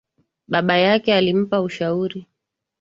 Baba yake alimpa ushauri.